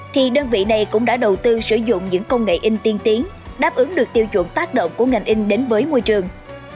thì đơn vị này cũng đã đầu tư sử dụng những công nghệ in tiên tiến đáp ứng được tiêu chuẩn tác động của ngành in đến với môi trường